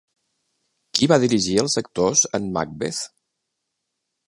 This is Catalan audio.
Qui va dirigir els actors en Macbeth?